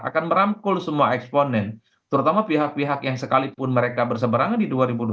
akan merangkul semua eksponen terutama pihak pihak yang sekalipun mereka berseberangan di dua ribu dua puluh